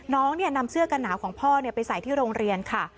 นำเสื้อกันหนาวของพ่อไปใส่ที่โรงเรียนค่ะ